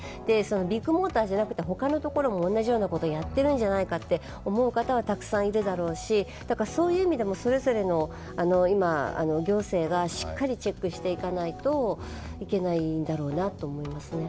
ビッグモーターじゃなくて他のところも同じようなことをやっているんじゃないかと思う方はたくさんいるだろうし、だからそういう意味でもそれぞれの行政がしっかりチェックしていかないといけないんだろうなと思いますね。